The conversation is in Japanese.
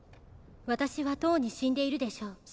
「私はとうに死んでいるでしょう